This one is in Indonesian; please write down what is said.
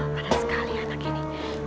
panas sekali anak ini